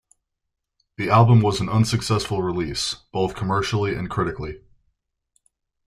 The album was an unsuccessful release, both commercially and critically.